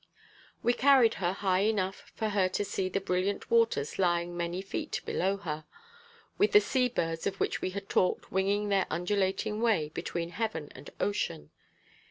We carried her high enough for her to see the brilliant waters lying many feet below her, with the sea birds of which we had talked winging their undulating way between heaven and ocean.